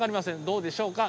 どうでしょうか。